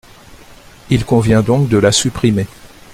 Il convient donc de la supprimer.